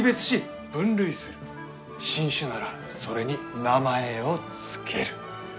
新種ならそれに名前を付ける。